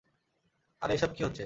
আরে এসব কি হচ্ছে?